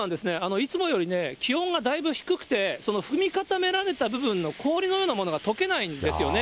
いつもより気温がだいぶ低くて、踏み固められた部分の氷のようなものがとけないんですよね。